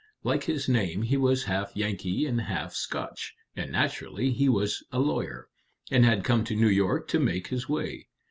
Like his name, he was half Yankee and half Scotch, and naturally he was a lawyer, and had come to New York to make his way.